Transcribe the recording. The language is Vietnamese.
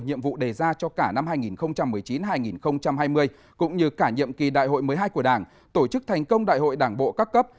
nhiệm vụ đề ra cho cả năm hai nghìn một mươi chín hai nghìn hai mươi cũng như cả nhiệm kỳ đại hội một mươi hai của đảng tổ chức thành công đại hội đảng bộ các cấp